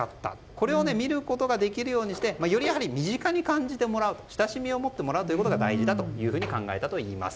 それを見ることができるようにして身近に感じてもらう親しみを持ってもらうことが大事だと考えたといいます。